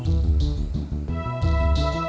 saya juga bers dorong